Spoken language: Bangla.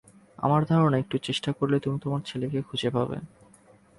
আমার ধারণা, একটু চেষ্টা করলেই তুমি তোমার ছেলেকে খুঁজে পাবে।